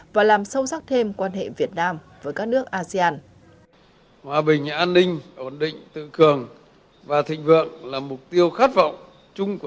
và làm sâu sắc thêm quan hệ việt nam với các nước asean